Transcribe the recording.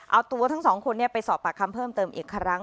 เอาตัวทั้งสองคนไปสอบปากคำเพิ่มเติมอีกครั้ง